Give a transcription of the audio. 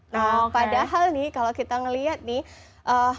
nah padahal nih kalau kita ngelihat nih